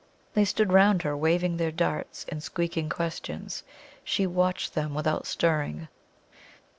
They stood round her, waving their darts, and squeaking questions. She watched them without stirring.